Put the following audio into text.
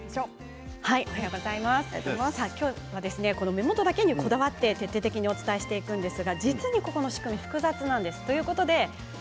今日は目元だけにこだわって徹底的にお伝えしていくんですが実はこの仕組み、複雑なんです。